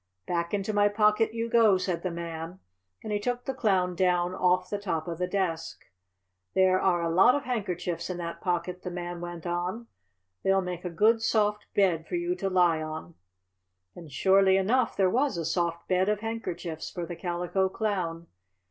"Back into my pocket you go!" said the Man, and he took the Clown down off the top of the desk. "There are a lot of handkerchiefs in that pocket," the man went on. "They'll make a good, soft bed for you to lie on." And, surely enough, there was a soft bed of handkerchiefs for the Calico Clown.